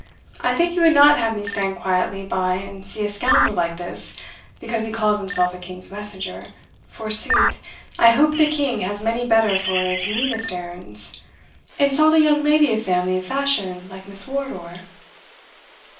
I think you would not have me stand quietly by and see a scoundrel like this, because he calls himself a king's messenger, forsooth (I hope the king has many better for his meanest errands) insult a young lady of family and fashion like Miss Wardour?"